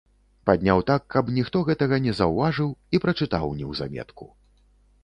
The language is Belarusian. Падняў так, каб ніхто гэтага не заўважыў, і прачытаў неўзаметку.